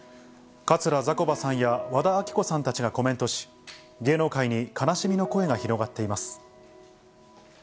桂ざこばさんや和田アキ子さんたちがコメントし、芸能界に悲しみの声が広がっています。